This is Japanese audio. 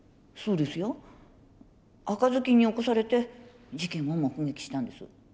そうですよ赤ずきんに起こされて事件を目撃したんです。